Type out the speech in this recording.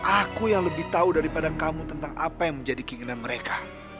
aku yang lebih tahu daripada kamu tentang apa yang menjadi keinginan mereka